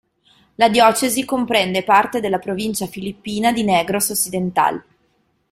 La diocesi comprende parte della provincia filippina di Negros Occidental.